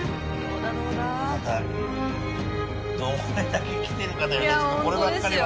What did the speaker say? ただどれだけ来てるかだよねこればっかりは。